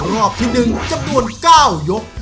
รอบที่๑จำนวน๙ยก